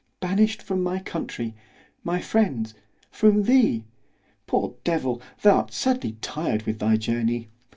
——Banish'd from my country——my friends——from thee.—— Poor devil, thou'rt sadly tired with thy journey!